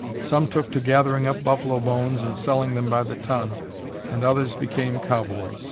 Some took to gathering up buffalo bones and selling them by the ton, and others became cowboys.